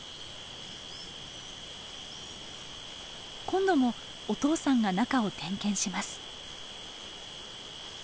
今度もお父さんが中を点検します。